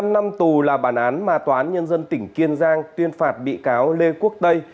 một mươi năm năm tù là bản án mà tòa án nhân dân tỉnh kiên giang tuyên phạt bị cáo lê quốc tây